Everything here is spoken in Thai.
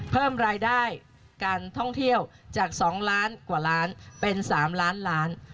เพิ่มรายได้การท่องเที่ยวจาก๒ล้านกว่าล้านเป็น๓ล้านล้าน